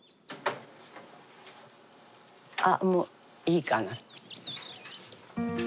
あもういいかな。